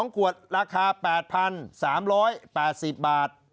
ขวดราคา๘๓๘๐บาท